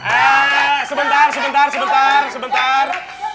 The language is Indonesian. eee sebentar sebentar sebentar